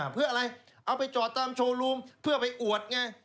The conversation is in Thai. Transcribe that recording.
เพื่ออะไรเอาไปจอดตามโชว์รูมเพื่อไปอวดไง